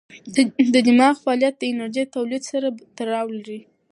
د دماغ فعالیت د انرژۍ تولید سره تړاو لري.